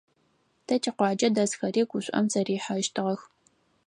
Тэ тикъуаджэ дэсхэри гушӀом зэрихьэщтыгъэх.